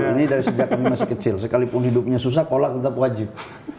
ini dari sejak kami masih kecil sekalipun hidupnya susah kolak tetap wajib